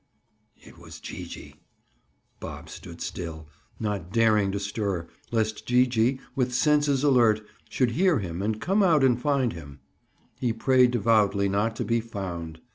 It was Gee gee. Bob stood still, not daring to stir, lest Gee gee, with senses alert, should hear him and come out and find him. He prayed devoutly not to be "found."